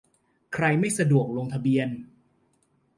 ใครไม่สะดวกลงทะเบียน